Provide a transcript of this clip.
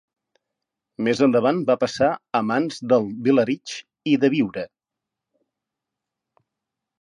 Més endavant va passar a mans dels Vilarig i de Biure.